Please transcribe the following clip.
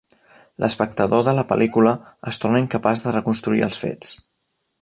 L'espectador de la pel·lícula es torna incapaç de reconstruir els fets.